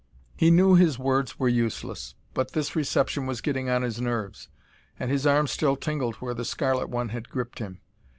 He knew his words were useless, but this reception was getting on his nerves and his arm still tingled where the scarlet one had gripped him.